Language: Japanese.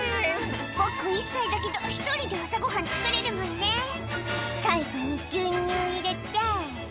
「僕１歳だけど１人で朝ごはん作れるもんね」「最後に牛乳入れて」